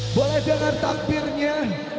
boleh dengar takbirnya